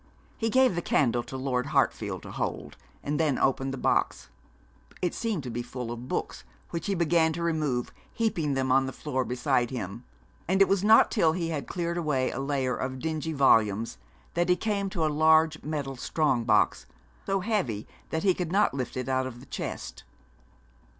He gave the candle to Lord Hartfield to hold, and then opened the box. It seemed to be full of books, which he began to remove, heaping them on the floor beside him; and it was not till he had cleared away a layer of dingy volumes that he came to a large metal strong box, so heavy that he could not lift it out of the chest.